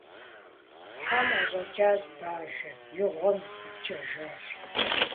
Хьэм ӏэщӏэкӏащ бажэр, и гъуэм ипкӏэжащ.